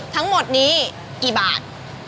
ทั้งหมดนี้กี่บาท